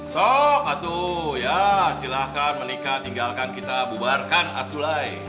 sok atuh ya silahkan menikah tinggalkan kita bubarkan asdulai